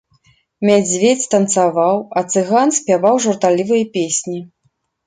Мядзведзь танцаваў, а цыган спяваў жартаўлівыя песні.